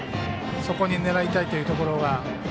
そこに狙いたいというところが。